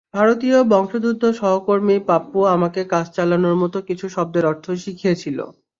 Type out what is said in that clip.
ভারতীয় বংশোদ্ভূত সহকর্মী পাপ্পু আমাকে কাজ চালানোর মতো কিছু শব্দের অর্থ শিখিয়েছিল।